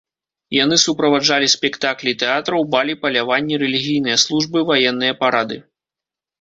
Яны суправаджалі спектаклі тэатраў, балі, паляванні, рэлігійныя службы, ваенныя парады.